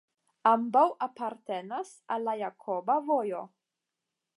Ambaŭ apartenas al la Jakoba Vojo.